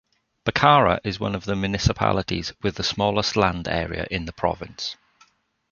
Bacarra is one of the municipalities with the smallest land area in the province.